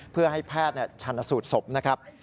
เพื่อให้แพทย์ชันสูตรศพนะครับ